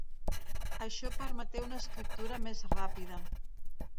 Això permeté una escriptura més ràpida.